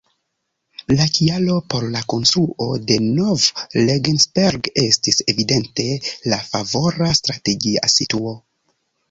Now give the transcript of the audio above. La kialo por la konstruo de Nov-Regensberg estis evidente la favora strategia situo.